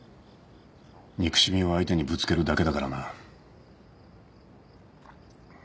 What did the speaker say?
憎しみを相手にぶつけるだけだからな。